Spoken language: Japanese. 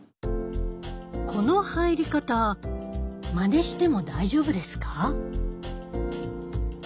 この入り方まねしても大丈夫ですか？